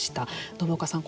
信岡さん